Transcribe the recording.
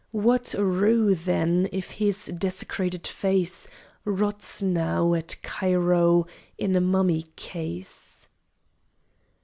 What rue, then, if his desecrated face Rots now at Cairo in a mummy case?